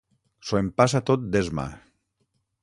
S'ho empassa tot d'esma.